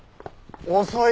遅い！